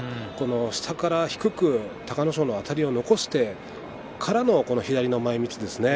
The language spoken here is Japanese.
下から低く隆の勝のあたりを残してからの左の前みつですね。